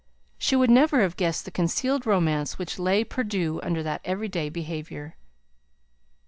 She would never have guessed the concealed romance which lay perdu under that every day behaviour.